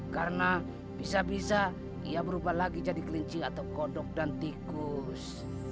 karena bisa bisa ia berubah lagi jadi kelinci atau kodok dan tikus